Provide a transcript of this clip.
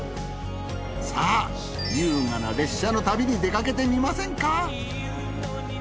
さぁ優雅な列車の旅に出かけてみませんか？